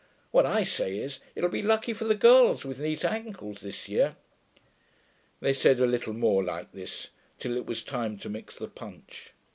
What I say is, it'll be lucky for the girls with neat ankles this year....' They said a little more like this, till it was time to mix the punch.